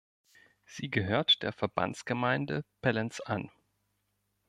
Sie gehört der Verbandsgemeinde Pellenz an.